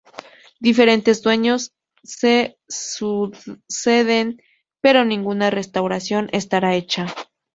Diferentes dueños se suceden pero ninguna restauración estará hecha.